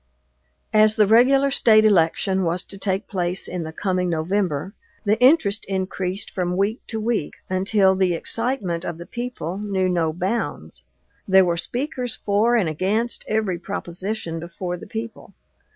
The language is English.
As the regular State election was to take place in the coming November, the interest increased from week to week, until the excitement of the people knew no bounds. There were speakers for and against every proposition before the people.